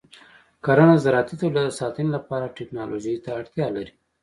کرنه د زراعتي تولیداتو د ساتنې لپاره ټیکنالوژۍ ته اړتیا لري.